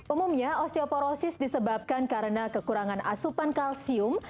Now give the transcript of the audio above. umumnya osteoporosis disebabkan karena kekurangan asupan kalsium